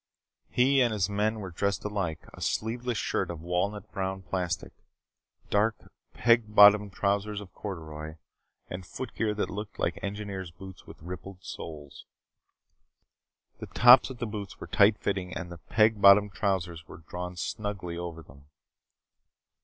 He and his men were dressed alike a sleeveless shirt of walnut brown plastic, dark peg bottomed trousers of corduroy, and footgear that looked like engineer's boots with rippled soles. The tops of the boots were tight fitting and the peg bottomed trousers were drawn snugly over them.